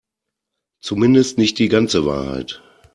Zumindest nicht die ganze Wahrheit.